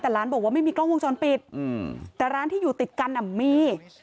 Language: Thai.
แต่ร้านบอกว่าไม่มีกล้องวงจรปิดแต่ร้านที่อยู่ติดกันอ่ะมี